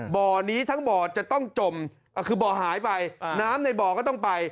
บ่อนี้ทั้งบ่อจะต้องจมคือบ่อหายไปน้ำในบ่อก็ต้องไป